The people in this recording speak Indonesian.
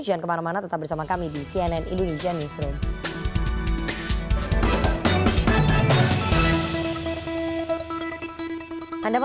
jangan kemana mana tetap bersama kami di cnn indonesia newsroom